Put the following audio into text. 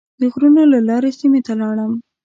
د غرونو له لارې سیمې ته ولاړ.